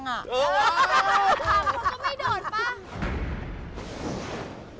เออว้าวว้าวว้าวแล้วมันก็ไม่โดนป่ะ